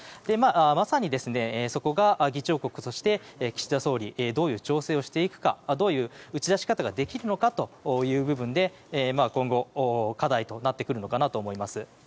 まさにそこが、議長国として岸田総理どういう調整をしていくかどういう打ち出し方ができるのかという部分で今後、課題となってくるのかなと思います。